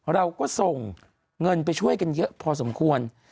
เราก็ส่งเงินไปช่วยกันเยอะพอสมควร